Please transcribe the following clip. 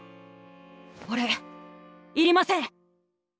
おれいりません。